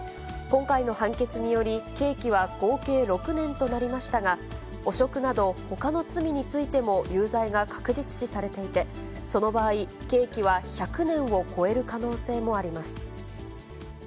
今回の判決により、刑期は合計６年となりましたが、汚職などほかの罪についても有罪が確実視されていて、その場合、刑期は１００年を超える可能性もあります。